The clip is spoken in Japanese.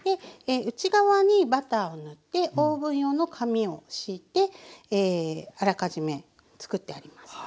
内側にバターを塗ってオーブン用の紙を敷いてあらかじめつくってあります。